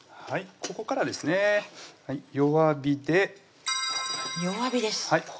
はいここからですね